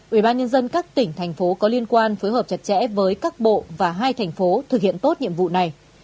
ubnd các tỉnh thành phố có liên quan phối hợp chặt chẽ với các bộ và hai thành phố thực hiện tốt nhiệm vụ này